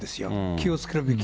気をつけるべき。